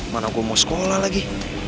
mana gue mau sekolah lagi